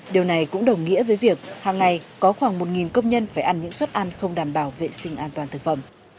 điều này cũng đồng nghĩa với việc hàng ngày có khoảng một công nhân phải ăn những suất ăn không đảm bảo vệ sinh an toàn thực phẩm